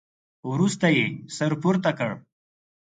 وروسته يې سر پورته کړ.